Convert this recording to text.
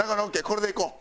これでいこう。